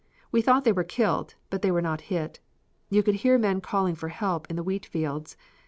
We thought they were killed, but they were not hit. You could hear men calling for help in the wheat fields.